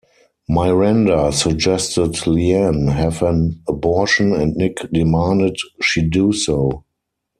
Miranda suggested Leanne have an abortion and Nick demanded she do so.